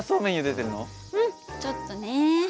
うんちょっとね。